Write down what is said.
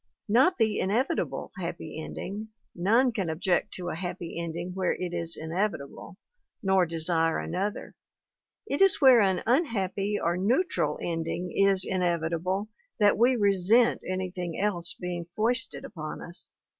Not the in evitable happy ending none can object to a happy ending where it is inevitable, nor desire another; it is where an unhappy or neutral ending is inevitable that we resent anything else being foisted upon us.